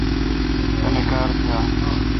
تانی کار تھا۔